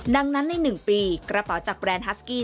ดังนั้นใน๑ปีกระเป๋าจากแบรนด์ฮัสกี้